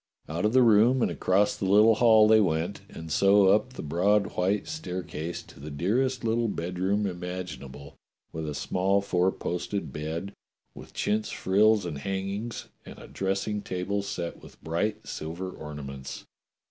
Out of the room and across the little hall they went, and so up the broad white staircase to the dearest little bedroom imaginable, with a small four posted bed with chintz frills and hangings, and a dressing table set with bright silver ornaments.